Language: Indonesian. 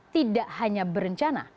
tidak hanya berencana